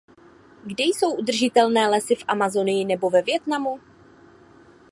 Kde jsou udržitelné lesy v Amazonii nebo ve Vietnamu?